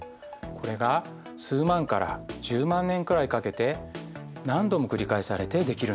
これが数万から１０万年くらいかけて何度も繰り返されてできるんです。